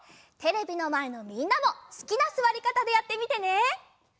テレビのまえのみんなもすきなすわりかたでやってみてね！